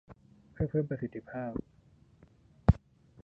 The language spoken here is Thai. เพื่อเพิ่มประสิทธิภาพ